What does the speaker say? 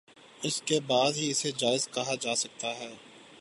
اس کے بعد ہی اسے جائز کہا جا سکتا ہے